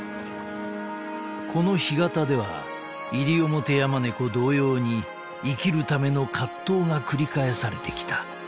［この干潟ではイリオモテヤマネコ同様に生きるための葛藤が繰り返されてきた］